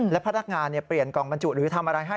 และพนักงานเปลี่ยนกล่องบรรจุหรือทำอะไรให้